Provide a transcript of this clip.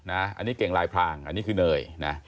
อันนี้เก่งลายพรางอันนี้คือเนยนะ